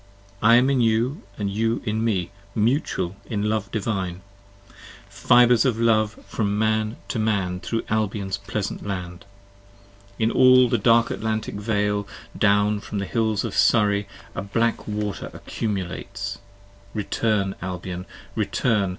I am in you and you in me, mutual in love divine: Fibres of love from man to man thro' Albion's pleasant land. In all the dark Atlantic vale down from the hills of Surrey 10 A black water accumulates, return Albion! return!